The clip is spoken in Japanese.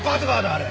あれ。